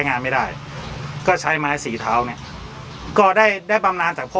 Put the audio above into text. งานไม่ได้ก็ใช้ไม้สีเท้าเนี้ยก็ได้ได้บำนานจากพ่อ